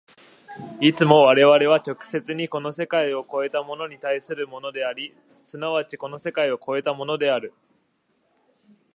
いつも我々は直接にこの世界を越えたものに対するものであり、即ちこの世界を越えたものである。